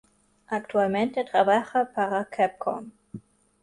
Actualmente trabaja para Capcom.